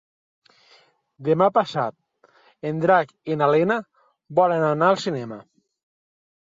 Demà passat en Drac i na Lena volen anar al cinema.